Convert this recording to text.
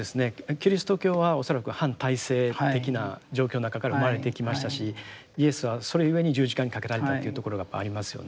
キリスト教は恐らく反体制的な状況の中から生まれてきましたしイエスはそれゆえに十字架にかけられたというところがやっぱりありますよね。